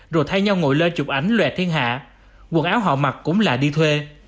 rồi thay nhau ngồi lên chụp ảnh lòe thiên hạ quần áo họ mặc cũng là đi thuê